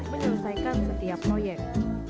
menyelesaikan setiap proyek